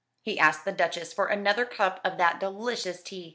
He asked the Duchess for another cup of that delicious tea.